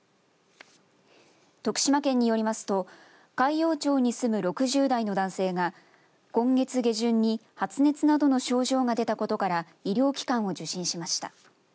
徳島県によりますと海陽町に住む６０代の男性が今月下旬に発熱などの症状が出たことから医療機関を受診しました。